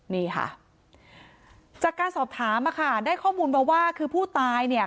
นี่ค่ะจากการสอบถามอะค่ะได้ข้อมูลมาว่าคือผู้ตายเนี่ย